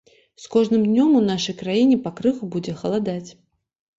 З кожным днём у нашай краіне пакрыху будзе халадаць.